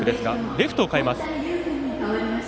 レフトを代えます。